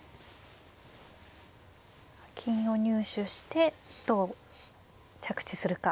金を入手してどう着地するか。